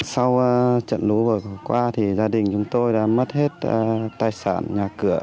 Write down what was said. sau trận lũ vừa qua gia đình chúng tôi đã mất hết tài sản nhà cửa